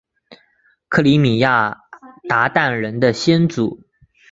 克里米亚鞑靼人的先祖？